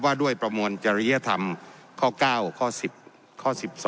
ว่าด้วยประมวลจริยธรรมข้อ๙ข้อ๑๐ข้อ๑๒